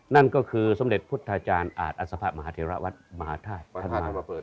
นั่นก็คือสมเด็จพุทธาจารย์อาจอศพะมหาเทราวัตรมหาธาตุ